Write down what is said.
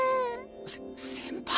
せ先輩！？